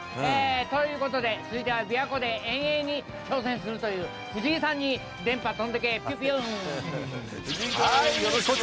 ということで続いてはびわ湖で遠泳に挑戦するという藤井さんに電藤井君、よろしくどうぞ。